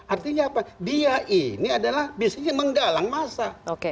artinya apa dia ini adalah biasanya menggalang masa